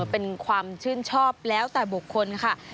เป็นความชื่นชอบแล้วแต่บุคคลค่ะ